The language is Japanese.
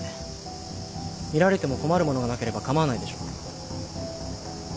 見られても困るものがなければ構わないでしょ？